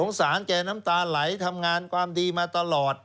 สารแกน้ำตาไหลทำงานความดีมาตลอด